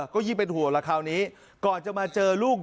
ก็ยิ่งเป็นห่วงละคราวนี้ก่อนจะมาเจอลูก